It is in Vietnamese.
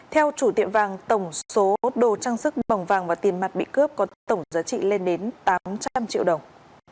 theo chủ tiệm vàng tổng số đồ trang sức bỏng vàng và tiền mặt bị cướp có tổng giá trị lên đến tám trăm linh triệu đồng